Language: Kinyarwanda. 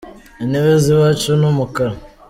Intebe ziwacu numukara.